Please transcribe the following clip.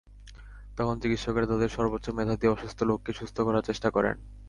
তখন চিকিৎসকেরা তাঁদের সর্বোচ্চ মেধা দিয়ে অসুস্থ লোককে সুস্থ করার চেষ্টা করেন।